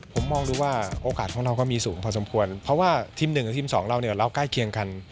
ผมมองดูว่าโอกาสของเราก็มีสูงพอสมควรเพราะว่าทีมหนึ่งกับทีมสองเราเนี่ยเราใกล้เคียงกัน